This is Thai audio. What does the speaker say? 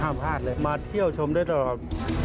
ห้ามพลาดเลยมาเที่ยวชมได้ตลอด